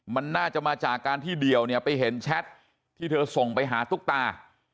มันน่าจะมาจากการที่เดี่ยวเนี่ยไปเห็นแชทที่เธอส่งไปหาตุ๊กตา